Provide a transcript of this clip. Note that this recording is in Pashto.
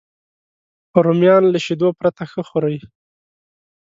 رومیان له شیدو پرته ښه خوري